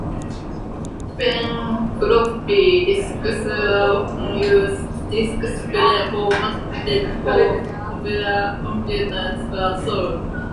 When floppy disks were often used, disks pre-formatted for popular computers were sold.